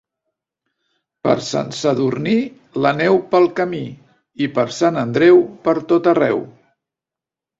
Per Sant Sadurní, la neu pel camí, i per Sant Andreu per tot arreu.